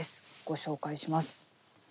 ご紹介します。